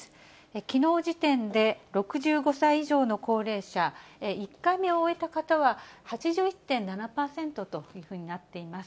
きのう時点で６５歳以上の高齢者、１回目を終えた方は８１．７％というふうになっています。